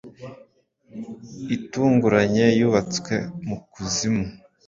itunguranye yubatswe mu Kuzimu: